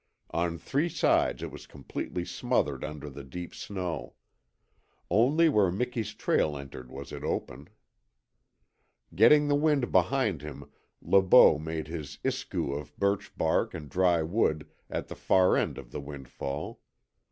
On three sides it was completely smothered under the deep snow. Only where Miki's trail entered was it open. Getting the wind behind him Le Beau made his ISKOO of birch bark and dry wood at the far end of the windfall.